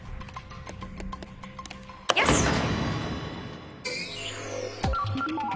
よし！